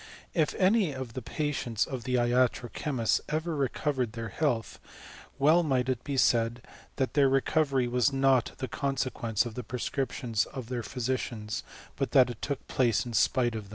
If any of the patients of the iatro chemists ever recovered their health, well might it be said that their recovery was not the consequence of the prescriptions of their physicians, but that it took place in spite of them.